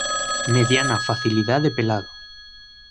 Mediana facilidad de pelado.